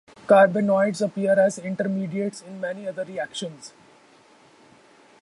Carbenoids appear as intermediates in many other reactions.